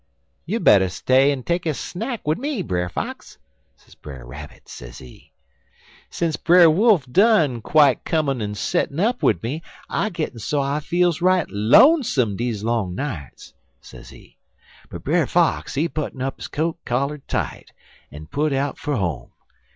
"'You better Stay en take a snack wid me, Brer Fox,' sez Brer Rabbit, sezee. 'Sence Brer Wolf done quite comin' en settin' up wid me, I gittin' so I feels right lonesome dese long nights,' sezee. "But Brer Fox, he button up his coat collar tight en des put out fer home.